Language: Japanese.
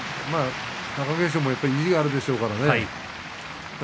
貴景勝も意地があるでしょうからね。